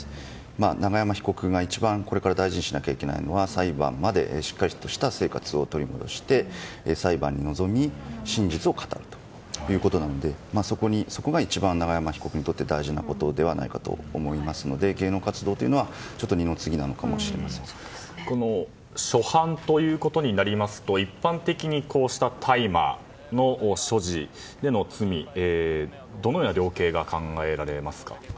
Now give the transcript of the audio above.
永山被告が一番これから大事にしなきゃいけないのは裁判までしっかりとした生活を取り戻して裁判に臨み真実を語るということなのでそこが一番、永山被告にとって大事なことではないかと思いますので芸能活動というのは初犯ということになりますと一般的にこうした大麻の所持での罪はどのような量刑が考えられますか？